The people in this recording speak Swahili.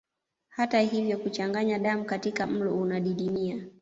Hata hivyo kuchanganya damu katika mlo unadidimia